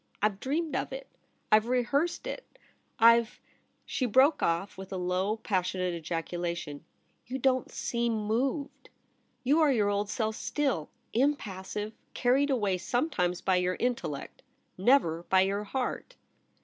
I've dreamed of it — I've rehearsed it^ I've ' She broke off with a low passionate ejaculation. * You don't seem moved. You are your old self still — im passive — carried away sometimes by your intellect — never by your heart.'